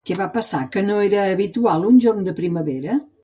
Què va passar, que no era habitual, un jorn de primavera?